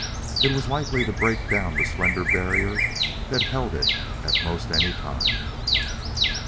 It was likely to break down the slender barrier that held it at almost any time.